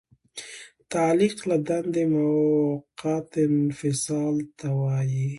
تعلیق له دندې موقت انفصال ته وایي.